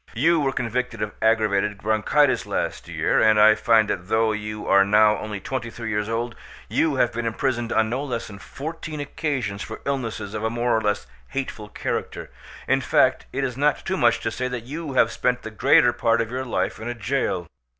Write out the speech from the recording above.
You were convicted of aggravated bronchitis last year: and I find that though you are now only twenty three years old, you have been imprisoned on no less than fourteen occasions for illnesses of a more or less hateful character; in fact, it is not too much to say that you have spent the greater part of your life in a jail.